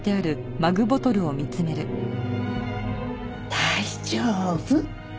大丈夫。